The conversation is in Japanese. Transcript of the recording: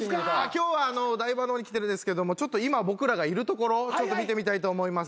今日はお台場の方に来てるんですけどもちょっと今僕らがいる所ちょっと見てみたいと思います